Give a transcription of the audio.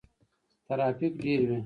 ترافیک ډیر وي.